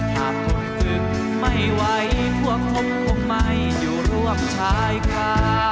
ถ้าผมฝึกไม่ไหวพวกผมคงไม่อยู่ร่วมชายค่ะ